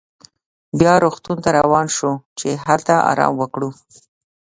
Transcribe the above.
بیا روغتون ته روان شوو چې هلته ارام وکړو.